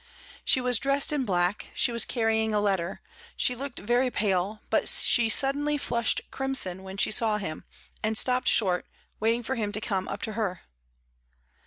She was dressed in black; she was carrying a letter; she looked very pale, but she suddenly flushed crimson when she saw him, and stopped short, waiting for him to come up to her.